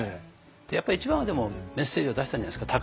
やっぱり一番はメッセージを出したんじゃないですか？